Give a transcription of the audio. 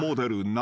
何？